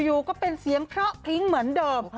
อยู่ก็เป็นเสียงเพราะคลิ้งเหมือนเดิม